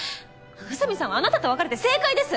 宇佐美さんはあなたと別れて正解です！